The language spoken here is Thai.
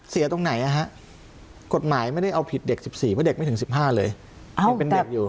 เสียตรงไหนอ่ะฮะกฎหมายไม่ได้เอาผิดเด็ก๑๔เค้าเด็กไม่ถึง๑๕เลย